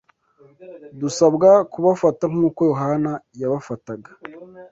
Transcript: dusabwa kubafata nk’uko Yohana yabafataga